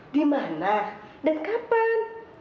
di mana dan kapan